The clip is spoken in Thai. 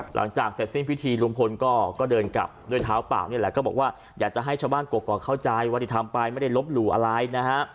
หลังจากเสร็จสิ้นพิธีลุงพลก็เดินกลับด้วยเท้าเปล่านี่แหละก็บอกว่าอยากจะให้ชาวบ้านกรกเข้าใจว่าที่ทำไปไม่ได้ลบหลู่อะไรนะฮะ